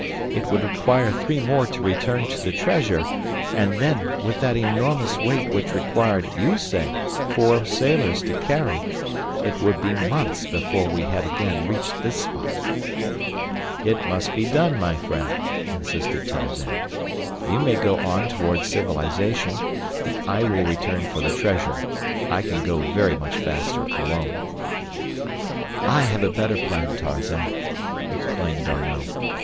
It would require three more to return to the treasure, and then, with that enormous weight which required, you say, four sailors to carry, it would be months before we had again reached this spot." "It must be done, my friend," insisted Tarzan. "You may go on toward civilization, and I will return for the treasure. I can go very much faster alone." "I have a better plan, Tarzan," exclaimed D'Arnot.